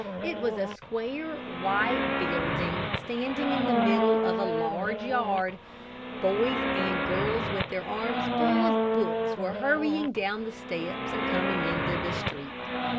It was a square, white building, standing in the middle of a large yard. Boys and girls, with their arms full of books, were hurrying down the steps and coming into the street.